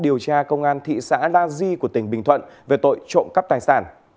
điều tra công an thị xã la di của tỉnh bình thuận về tội trộm cắp tài sản